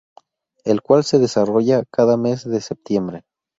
El cual se desarrolla cada mes de septiembre.